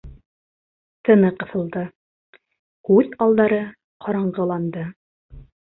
Тыны ҡыҫылды, күҙ алдары ҡараңғыланды.